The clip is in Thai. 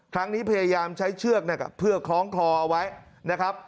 พยายามใช้เชือกเพื่อคล้องคลอเอาไว้นะครับ